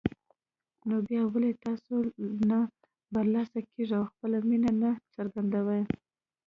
نو بيا ولې تاسو نه برلاسه کېږئ او خپله مينه نه څرګندوئ